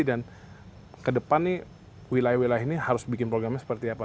dan ke depan wilayah wilayah ini harus bikin programnya seperti apa